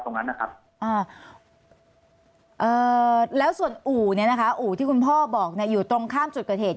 ตรงนั้นนะครับแล้วส่วนอู่เนี่ยนะคะอู่ที่คุณพ่อบอกเนี่ยอยู่ตรงข้ามจุดเกิดเหตุ